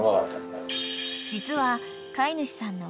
［実は飼い主さんの］